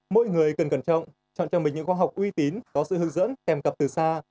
mỗi người cần cẩn trọng chọn cho mình những khoa học uy tín có sự hướng dẫn kèm tập từ xa